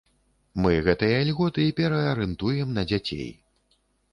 Мы гэтыя льготы пераарыентуем на дзяцей.